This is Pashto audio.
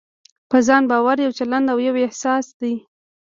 په ځان باور يو چلند او يو احساس دی.